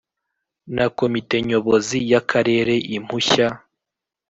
na Komite Nyobozi y Akarere impushya